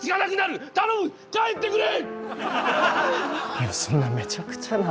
いやそんなめちゃくちゃな。